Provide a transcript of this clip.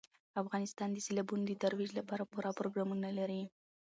افغانستان د سیلابونو د ترویج لپاره پوره پروګرامونه لري.